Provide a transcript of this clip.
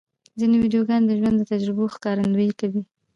ځینې ویډیوګانې د ژوند د تجربو ښکارندویي کوي.